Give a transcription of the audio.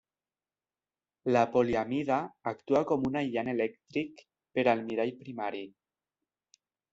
La poliamida actua com un aïllant elèctric per al mirall primari.